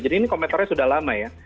jadi ini komentarnya sudah lama ya